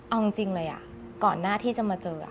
เอาจริงเลยก่อนหน้าที่จะมาเจอ